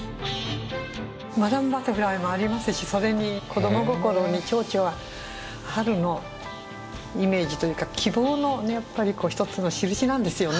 マダム・バタフライもありますしそれに子ども心に蝶々は春のイメージというか希望の一つの印なんですよね。